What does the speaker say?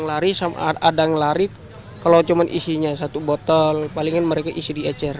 lari sama ada yang lari kalau cuma isinya satu botol palingan mereka isi di ecer